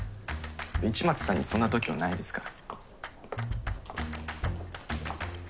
市松さんにそんな度胸ないですから。